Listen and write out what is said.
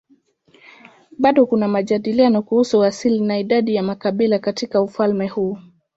Bado kuna majadiliano kuhusu asili na idadi ya makabila katika ufalme huu.